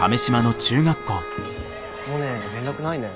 モネ連絡ないね。